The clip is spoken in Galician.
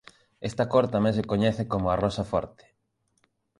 Esta cor tamén se coñece como "rosa forte".